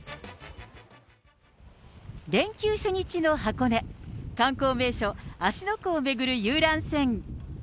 連休初日の箱根、観光名所、芦ノ湖を巡る遊覧船。